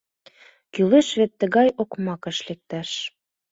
Кӱлеш вет тыгай окмакыш лекташ.